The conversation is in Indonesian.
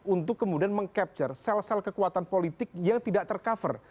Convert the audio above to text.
untuk kemudian meng capture sel sel kekuatan politik yang tidak tercover